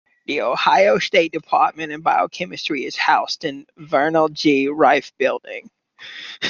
Ohio State's Department of Biochemistry is housed in the Vernal G. Riffe Building.